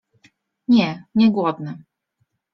Nie, nie głodny.